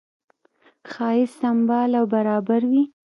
ښایست سمبال او برابر وي.